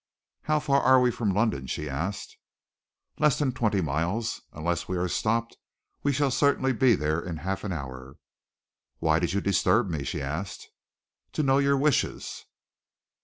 "How far are we from London?" she asked. "Less than twenty miles. Unless we are stopped, we shall certainly be there in half an hour." "Why did you disturb me?" she asked. "To know your wishes."